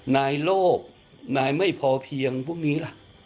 นายโลกนายไม่พอเพียงพวกนี้ล่ะ